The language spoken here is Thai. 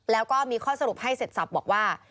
แล้วก็มีข้อสรุปให้เสร็จสับบอกว่า